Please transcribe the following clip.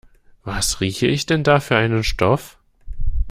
Was rieche ich denn da für einen Stoff?